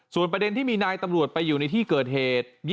ประเด็นที่มีนายตำรวจไปอยู่ในที่เกิดเหตุ